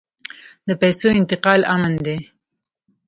د پیسو انتقال امن دی؟